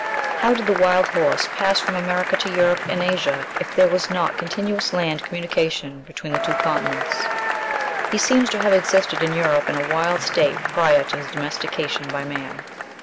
How did the wild horse pass from America to Europe and Asia if there was not continuous land communication between the two continents? He seems to have existed in Europe in a wild state prior to his domestication by man.